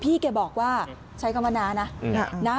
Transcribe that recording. พี่แกบอกว่าคุณผู้ชมไปดูคลิปนี้กันหน่อยนะฮะ